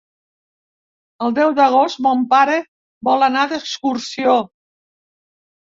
El deu d'agost mon pare vol anar d'excursió.